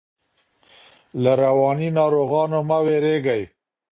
له رواني ناروغانو مه ویریږئ.